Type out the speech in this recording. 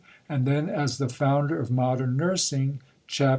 and then as the founder of Modern Nursing (Chaps.